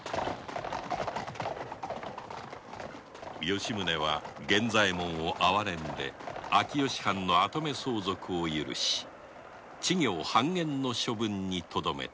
吉宗は源左衛門を哀れんで秋吉藩の跡目相続を許し知行半減の処分にとどめ